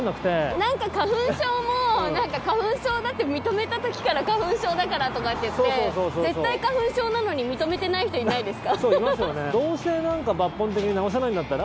なんか、花粉症も花粉症だって認めた時から花粉症だからとかいって絶対、花粉症なのに認めてない人いないですか？